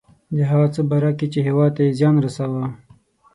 د هغه څه په باره کې چې هیواد ته یې زیان رساوه.